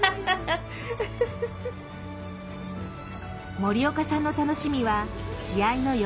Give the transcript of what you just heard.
森岡さんの楽しみは試合の翌日